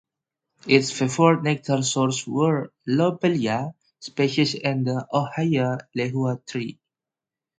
Its favored nectar sources were "Lobelia" species and the ohia lehua tree.